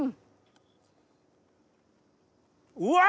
うわ！